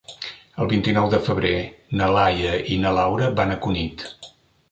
El vint-i-nou de febrer na Laia i na Laura van a Cunit.